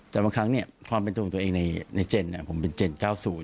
แต่บางครั้งความเป็นชีวิตของตัวเองในเจนผมเป็นเจนเก้าสูญ